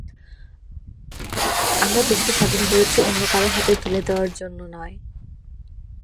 আমরা দেশকে স্বাধীন করেছি অন্য কারও হাতে তুলে দেওয়ার জন্য নয়।